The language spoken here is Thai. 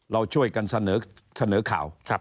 เราช่วยกันเสนอข่าว